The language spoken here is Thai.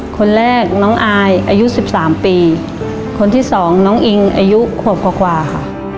คนแรกน้องอายอายุสิบสามปีคนที่สองน้องอิงอายุขวบกว่ากว่าค่ะ